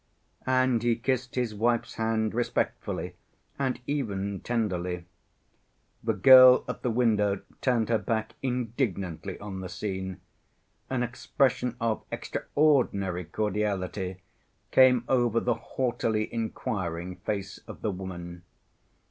And he kissed his wife's hand respectfully and even tenderly. The girl at the window turned her back indignantly on the scene; an expression of extraordinary cordiality came over the haughtily inquiring face of the woman.